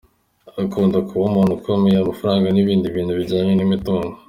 Akunda kuba umuntu ukomeye, amafaranga n’ibindi bintu bijyanye n’imitungo.